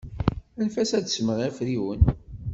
Anfet-as ad d-tessemɣi afriwen.